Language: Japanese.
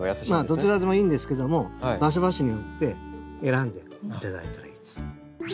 どちらでもいいんですけども場所場所によって選んでいただいたらいいんです。